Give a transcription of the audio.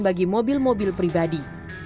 bagi mobil mobil pribadi